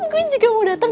gua juga mau dateng